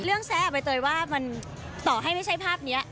เรื่องแสะอะไปเตยว่ามันต่อให้ไม่ใช่ภาพเนี้ย